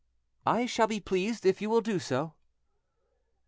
"I shall be pleased if you will do so."